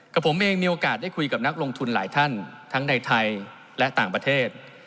ผมเองมีโอกาสได้คุยกับนักลงทุนหลายท่านทั้งในไทยและต่างประเทศ